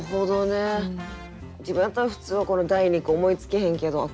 自分やったら普通はこの第二句思いつけへんけどああ